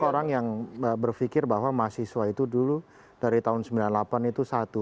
orang yang berpikir bahwa mahasiswa itu dulu dari tahun sembilan puluh delapan itu satu